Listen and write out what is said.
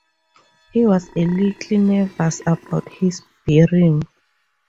He was a little nervous about his bearing.